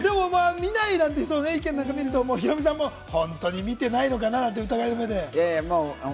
見ないなんて人の意見なんかを見ると、ヒロミさんも本当に見てないのかなっていう疑いの目で。